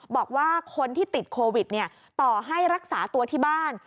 บอกว่าคนที่ติดโควิดต่อให้รักษาตัวที่บ้าน